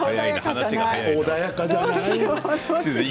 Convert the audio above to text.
穏やかじゃない。